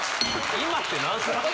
今って何すか？